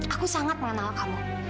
aku sangat mengenal kamu